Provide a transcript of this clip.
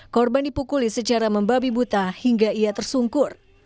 korban dipukuli secara membabi buta hingga ia tersungkur